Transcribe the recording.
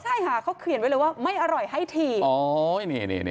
ใช่ค่ะเขาเขียนไว้เลยว่าไม่อร่อยให้ถีบอ๋อนี่นี่นี่